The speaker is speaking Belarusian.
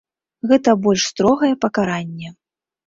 Гэта больш строгае пакаранне.